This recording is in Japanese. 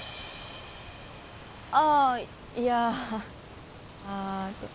ああいやああ